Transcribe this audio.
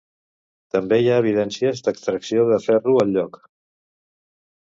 També hi ha evidències d'extracció de ferro al lloc.